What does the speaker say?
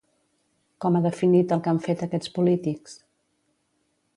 Com ha definit el que han fet aquests polítics?